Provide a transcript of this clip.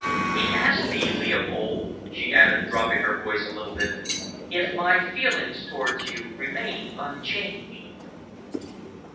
He asked me, Leopold," she added, dropping her voice a little, "if my feelings towards you remained unchanged."